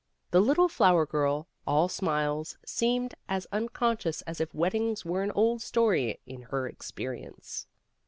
The little flower girl, all smiles, seemed as unconscious as if weddings were an old story in her experience.